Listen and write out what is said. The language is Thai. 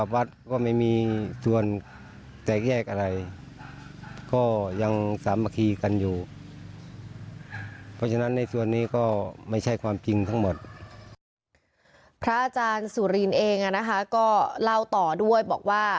พระอาจารย์สุรินเองก็เล่าต่อด้วยบอกว่า